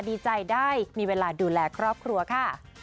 ดีใจได้มีเวลาดูแลครอบครัวค่ะ